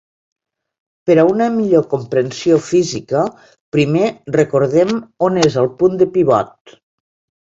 Per a una millor comprensió física, primer recordem on és el punt de pivot.